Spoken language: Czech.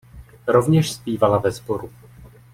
Rovněž zpívala ve sboru.